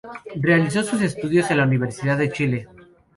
Realizó sus estudios en la Universidad de Chile.